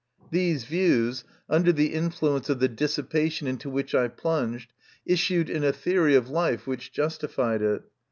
These views, under the influence of the dissipa tion into which I plunged, issued in a theory of life which justified it.